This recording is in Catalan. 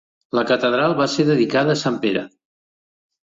La catedral va ser dedicada a Sant Pere.